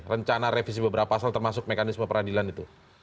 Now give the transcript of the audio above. rencana revisi beberapa pasal termasuk mekanisme peradilan itu